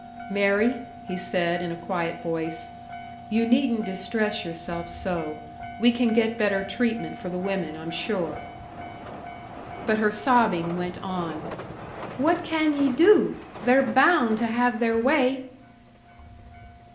"Mary," he said, in a quiet voice, "you needn't distress yourself so. We can get better treatment for the women, I'm sure." But her sobbing went on. "What can ye do? They're bound to have their way!"